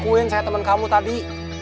aku mau ngakuin saya temen kamu tadi